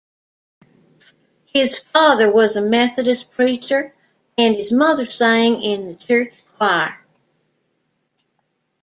His father was a Methodist preacher and his mother sang in the church choir.